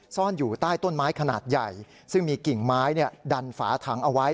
ซ่อนอยู่ใต้ต้นไม้ขนาดใหญ่ซึ่งมีกิ่งไม้ดันฝาถังเอาไว้